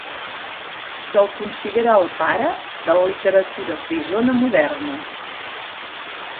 Se'l considera el pare de la literatura frisona moderna.